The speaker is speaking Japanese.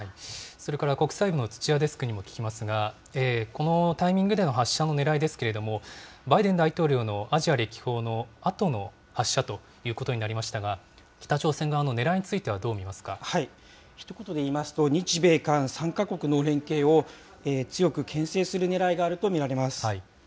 それから国際部の土屋デスクにも聞きますが、このタイミングでの発射のねらいですけれども、バイデン大統領のアジア歴訪のあとの発射ということになりましたが、北朝鮮側のねらいについてはひと言でいいますと、日米韓３か国の連携を強くけん制するねらいがあると見られます。